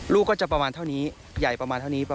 ลูกก็จะประมาณเท่านี้ใหญ่ประมาณเท่านี้